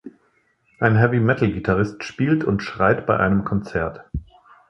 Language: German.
Ein Heavy-Metal-Gitarrist spielt und schreit bei einem Konzert.